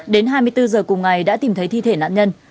đến hai mươi bốn giờ cùng ngày đã tìm thấy thi thể nạn nhân